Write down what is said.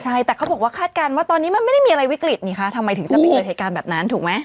ใช่แต่เขาบอกว่าคาดการณ์ว่าตอนนี้มันไม่ได้มีอะไรวิกฤตนี่คะทำไมถึงจะไปเกิดเหตุการณ์แบบนั้นถูกไหม